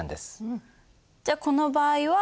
じゃあこの場合は。